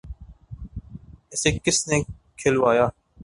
‘ اسے کس نے کھلوایا؟